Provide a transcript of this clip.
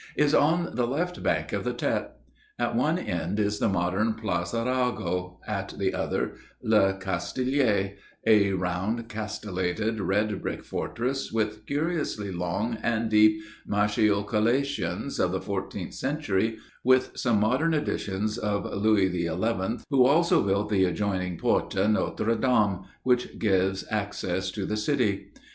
is on the left bank of the Tet; at one end is the modern Place Arago, at the other Le Castillet, a round, castellated red brick fortress with curiously long and deep machicolations of the 14th century with some modern additions of Louis XI, who also built the adjoining Porte Notre Dame which gives access to the city.